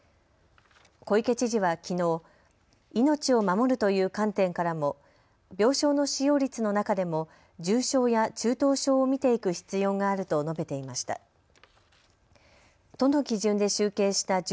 小池知事はきのう、命を守るという観点からも病床の使用率の中でも重症や中等症を見ていく必要があると述べていました。